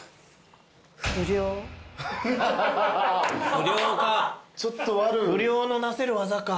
不良か不良のなせる技か。